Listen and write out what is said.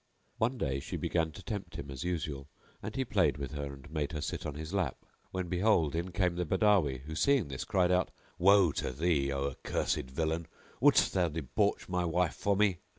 One day she began to tempt him as usual and he played with her and made her sit on his lap, when behold, in came the Badawi who, seeing this, cried out, "Woe to thee, O accursed villain, wouldest thou debauch my wife for me?"